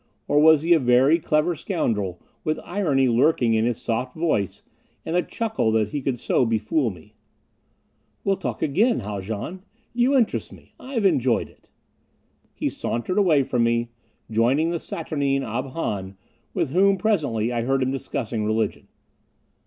Or was he a very clever scoundrel, with irony lurking in his soft voice, and a chuckle that he could so befool me? "We'll talk again, Haljan. You interest me I've enjoyed it." He sauntered away from me, joining the saturnine Ob Hahn, with whom presently I heard him discussing religion.